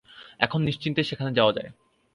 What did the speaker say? এখন নিশ্চিন্তে সেখানে যাওয়া যায়।